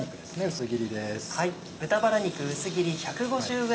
薄切りです。